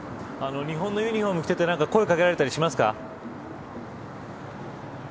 日本のユニホームを着ていて声を掛けられたりしますか。